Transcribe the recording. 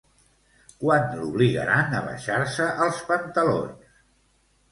Quan l'obligaran a baixar-se els pantalons?